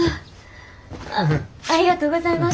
ありがとうございます。